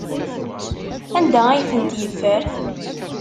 Anda ay tent-yeffer?